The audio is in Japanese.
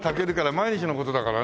毎日の事だからね。